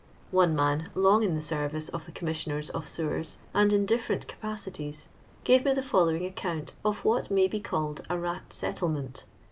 One man, long in thft ecrvice of the Commissioners of Sewers, and in diiTtrrent capacities, gave me tbe following account of what may be called a rat settlement.